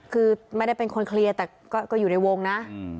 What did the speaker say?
คือไม่ได้เป็นคนเคลียร์แต่ก็อยู่ในวงนะ